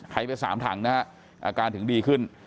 ให้ไป๓ถังนะฮะอาการถึงดีขึ้น